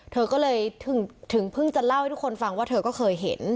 เธอก็เลยถึงเพิ่งจะเล่าให้ทุกคนฟังว่าเธอก็เคยเห็น